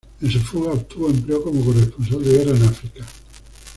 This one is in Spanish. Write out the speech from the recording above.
En su fuga, obtuvo empleo como corresponsal de guerra en África.